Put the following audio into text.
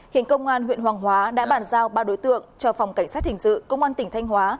hiện công an huyện hoàng hóa đã bàn giao ba đối tượng cho phòng cảnh sát hình sự công an tỉnh thanh hóa